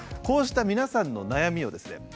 こうした皆さんの悩みをですね